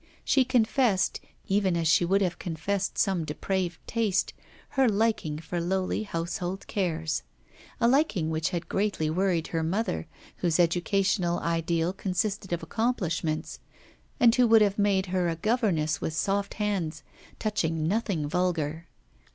She confessed, even as she would have confessed some depraved taste, her liking for lowly household cares; a liking which had greatly worried her mother, whose educational ideal consisted of accomplishments, and who would have made her a governess with soft hands, touching nothing vulgar.